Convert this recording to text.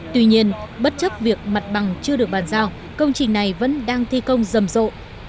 tuy nhiên bất chấp việc mặt bằng chưa được bàn giao công trình này vẫn đang thi công rầm rộ